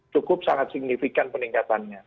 cukup sangat signifikan peningkatannya